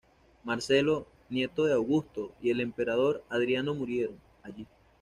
Marcelo, nieto de Augusto, y el emperador Adriano murieron allí.